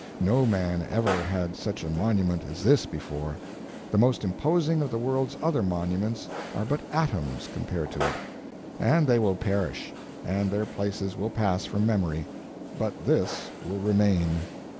No man ever had such a monument as this before; the most imposing of the world's other monuments are but atoms compared to it; and they will perish, and their places will pass from memory, but this will remain.